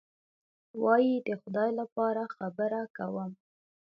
وایي: د خدای لپاره خبره کوم.